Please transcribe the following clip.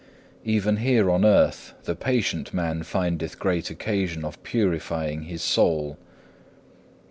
2. Even here on earth the patient man findeth great occasion of purifying his soul.